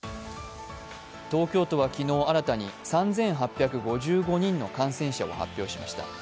東京都は昨日、新たに３８５５人の感染者を発表しました。